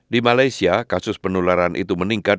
di malaysia kasus penularan itu meningkat